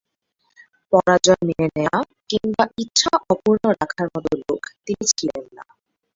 পরাজয় মেনে নেয়া কিংবা ইচ্ছা অপূর্ণ রাখার মত লোক তিনি ছিলেন না।